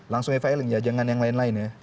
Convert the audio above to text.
langsung e filing ya jangan yang lain lain ya